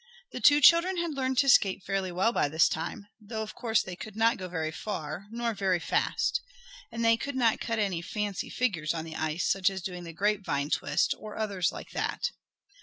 The two children had learned to skate farily well by this time, though of course they could not go very far, nor very fast. And they could not cut any "fancy figures" on the ice such as doing the "grape vine twist," or others like that.